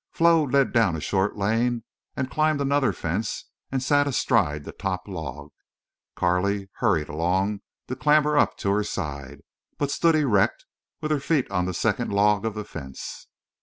Flo led down a short lane and climbed another fence, and sat astride the top log. Carley hurried along to clamber up to her side, but stood erect with her feet on the second log of the fence.